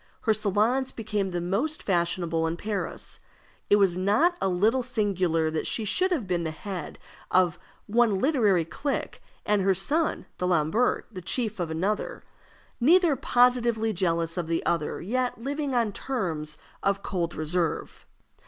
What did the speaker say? Her salons became the most fashionable in Paris. It was not a little singular that she should have been the head of one literary clique, and her son, D'Alembert, the chief of another neither positively jealous of the other, yet living on terms of cold reserve.